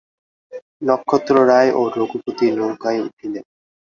নক্ষত্ররায় ও রঘুপতি নৌকায় উঠিলেন।